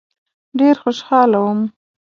ډېر خوشاله وم.